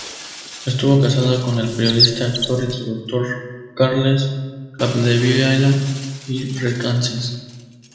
Estuvo casada con el periodista, actor y traductor Carles Capdevila i Recasens.